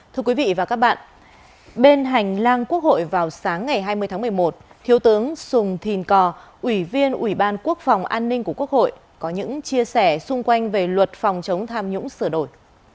thưa quý vị và các bạn bên hành lang quốc hội vào sáng ngày hai mươi tháng một mươi một thiếu tướng sùng thìn cò ủy viên ủy ban quốc phòng an ninh của quốc hội có những chia sẻ xung quanh về luật phòng chống tham nhũng sửa đổi